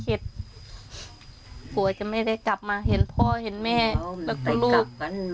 กลัวจะไม่ได้กลับมาเห็นพ่อเห็นแม่แล้วก็ลูก